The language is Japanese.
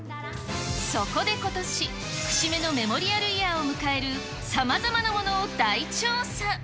そこでことし、節目のメモリアルイヤーを迎えるさまざまなものを大調査。